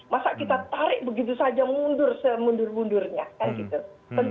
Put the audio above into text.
masa kita tarik begitu saja mundur semundur mundurnya kan gitu